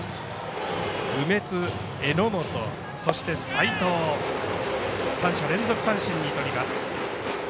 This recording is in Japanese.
梅津、榎本、そして齋藤３者連続三振にとります。